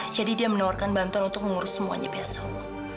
jadi dia menawarkan bantuan untuk mengurus semuanya besok